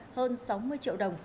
hơn sáu mươi triệu đồng